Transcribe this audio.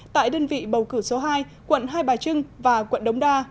tại đơn vị bầu cử số hai quận hai bà trưng và quận đống đa